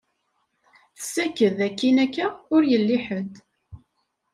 Tessaked akin akka, ur yelli ḥed.